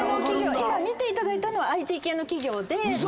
今見ていただいたのはＩＴ系の企業で。